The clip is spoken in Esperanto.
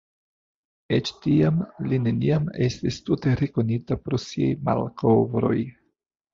Eĉ tiam li neniam estis tute rekonita pro siaj malkovroj.